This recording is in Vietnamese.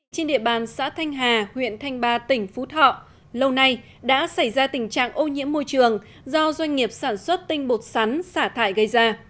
trên địa bàn xã thanh hà huyện thanh ba tỉnh phú thọ lâu nay đã xảy ra tình trạng ô nhiễm môi trường do doanh nghiệp sản xuất tinh bột sắn xả thải gây ra